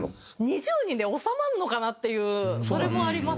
２０人で収まるのかなっていうそれもありますね。